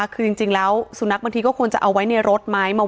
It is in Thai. ที่บ้านของน้องชาย